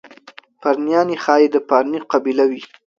پرنیاني ښایي د پارني قبیله وي.